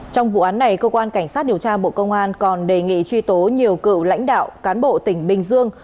trong vụ án này cơ quan cảnh sát điều tra bộ công an còn đề nghị truy tố nhiều cựu lãnh đạo cán bộ tỉnh bình dương